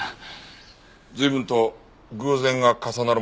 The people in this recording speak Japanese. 随分と偶然が重なるものですね。